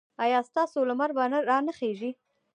ایا ستاسو لمر به را نه خېژي؟